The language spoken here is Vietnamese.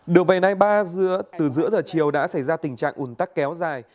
được về nay từ giữa giờ chiều đã xảy ra tình trạng ủn tắc kéo dài